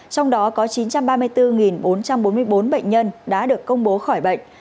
trong đó có chín trăm ba mươi bốn bốn trăm bốn mươi bốn bệnh nhân đã được công bố khỏi bệnh